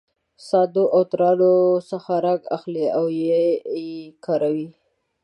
ساندو او ترانو څخه رنګ اخلي او یې کاروي.